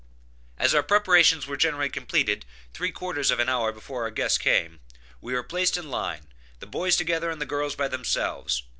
As our preparations were generally completed three quarters of an hour before our guests came, we were placed in line, the boys together and the girls by themselves.